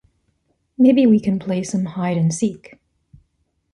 Maybe we can play some hide-and-seek.